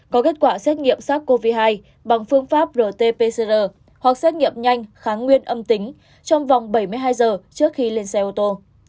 có kết quả xét nghiệm sars cov hai bằng phương pháp rt pcr hoặc xét nghiệm nhanh kháng nguyên âm tính trong vòng bảy mươi hai giờ trước khi lên xe ô tô